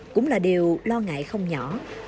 cũng là điều lo ngại không nhỏ